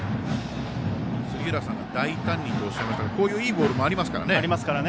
杉浦さんが大胆にとおっしゃいましたがこういういいボールもありますからね。